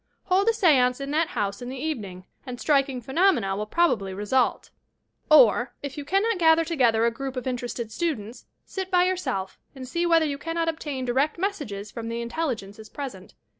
Hold a seance in that house in the eve ning, and striking phenomena will probably result. Or, 248 YOUR PSYCHIC POWERS if you cannot gather together a group of interested stu dents, sit by yourself and see whether you cannot obtain direct messages from the intelligences present.